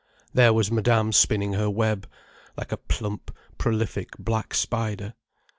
There was Madame spinning her web like a plump prolific black spider.